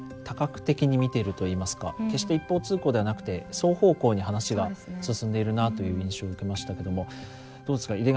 多角的に見てるといいますか決して一方通行ではなくて双方向に話が進んでいるなという印象を受けましたけどもどうですか？